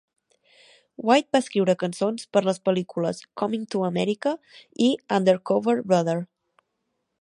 White va escriure cançons per les pel·lícules "Coming to America" i "Undercover Brother".